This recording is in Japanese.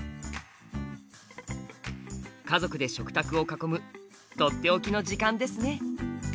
家族で食卓を囲むとっておきの時間ですね。